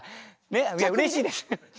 いやうれしいです。